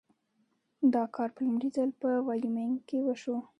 دا کار په لومړي ځل په وایومینګ کې وشو.